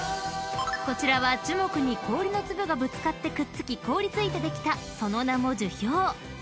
［こちらは樹木に氷の粒がぶつかってくっつき凍り付いてできたその名も樹氷］